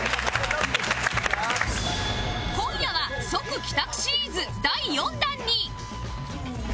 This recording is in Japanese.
今夜は即帰宅シリーズ第４弾に